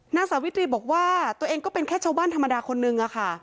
นางสาวิตรีบอกว่าตัวเองก็เป็นแค่ชาวบ้านธรรมดาคนนึงอะค่ะ